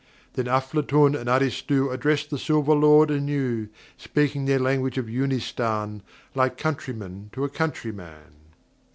Then Aflatun and Aristu Addressed the silver Lord anew, Speaking their language of Yoonistan Like countrymen to a countryman.